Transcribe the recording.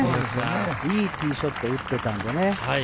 いいティーショットを打っていたのでね。